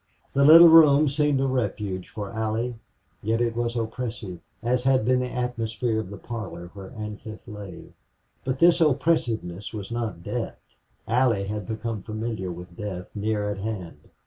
The little room seemed a refuge for Allie, yet it was oppressive, as had been the atmosphere of the parlor where Ancliffe lay. But this oppressiveness was not death. Allie had become familiar with death near at hand.